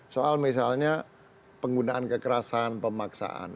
soal misalnya penggunaan kekerasan pemaksaan